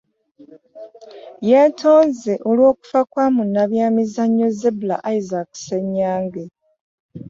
Yeetonze olw'okufa kwa munnabyamizannyo Zebra Isaac Ssenyange